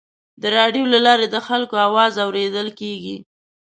د راډیو له لارې د خلکو اواز اورېدل کېږي.